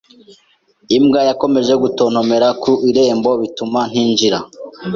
Imbwa yakomeje kuntontomera ku irembo, bituma ntinjira.